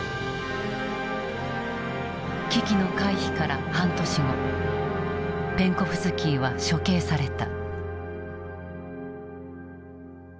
危機の回避から半年後ペンコフスキーは処刑された。